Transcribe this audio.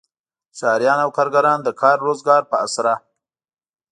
ښاریان او کارګران د کار روزګار په اسره.